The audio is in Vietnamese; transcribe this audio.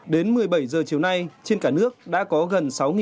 đến một mươi bảy h chiều nay trên cả nước đã có gần sáu bộ hồ sơ